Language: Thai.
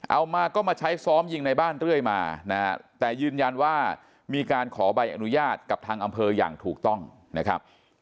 เอามาก็มาใช้ซ้อมยิงในบ้านเรื่อยมานะฮะแต่ยืนยันว่ามีการขอใบอนุญาตกับทางอำเภออย่างถูกต้องนะครับ